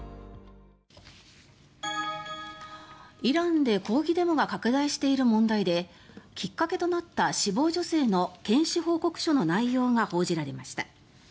イランで抗議デモが拡大している問題できっかけとなった死亡女性の検視報告書の内容が報じられました。